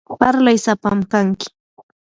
parlay sapam kanki.